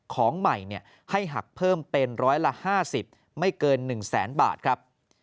ของใหม่ให้หักเพิ่มเป็นร้อยละ๕๐ไม่เกิน๑แสนบาทครับ